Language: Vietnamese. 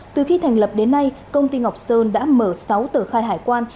từ khi thành lập đến nay công ty ngọc sơn đã mở sáu tờ khai hải quan